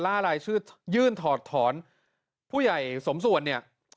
ล่าลายชื่อยื่นถอดถอนผู้ใหญ่สมสวน